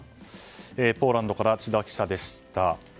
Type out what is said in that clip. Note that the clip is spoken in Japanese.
ポーランドから千田記者でした。